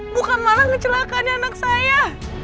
bukan malah kecelakaannya anak saya